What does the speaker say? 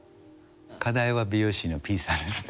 課題は美容師のピさんですね。